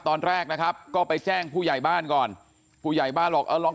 ตอนแรกนะครับก็ไปแจ้งผู้ใหญ่บ้านก่อนผู้ใหญ่บ้านบอกเออลอง